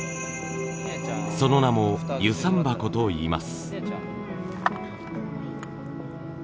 その名も遊山箱といいます。